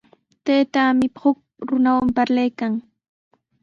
Taytaami huk runawan parlaykan.